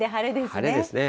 晴れですね。